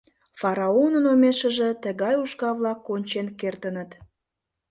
Фараонын омешыже тыгай ушкал-влак кончен кертыныт!